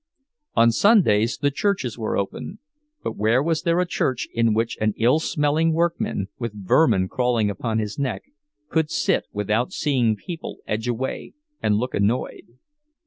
On Sundays the churches were open—but where was there a church in which an ill smelling workingman, with vermin crawling upon his neck, could sit without seeing people edge away and look annoyed?